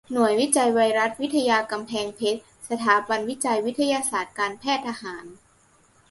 หน่วยวิจัยไวรัสวิทยากำแพงเพชรสถาบันวิจัยวิทยาศาสตร์การแพทย์ทหาร